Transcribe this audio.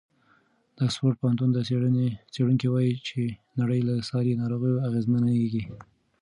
د اکسفورډ پوهنتون څېړونکي وایي چې نړۍ له ساري ناروغیو اغېزمنېږي.